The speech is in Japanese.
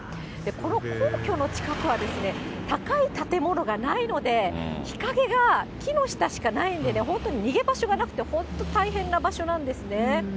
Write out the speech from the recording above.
この皇居の近くは高い建物がないので、日陰が木の下しかないんでね、本当に逃げ場所がなくて、本当、大変な場所なんですね。